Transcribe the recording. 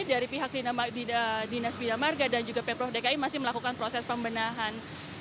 dari pihak dinas bina marga dan juga pemprov dki masih melakukan proses pembenahan